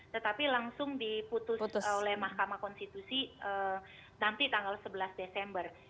tetapi langsung diputus oleh mahkamah konstitusi nanti tanggal sebelas desember